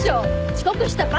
遅刻した罰。